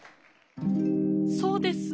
「そうです。